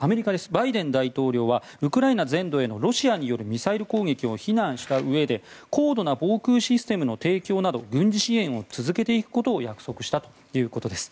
バイデン大統領はウクライナ全土へのロシアによるミサイル攻撃を非難したうえで高度な防空システムの提供など軍事支援を続けていくことを約束したということです。